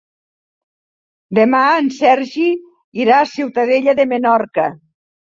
Demà en Sergi irà a Ciutadella de Menorca.